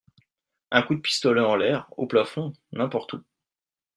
Un coup de pistolet en l'air, au plafond, n'importe où.